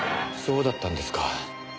そうだったんですか。